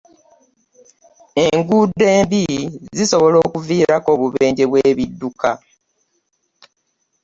Enguudo embi zisobola okuviirako obubenje bw'ebidduka.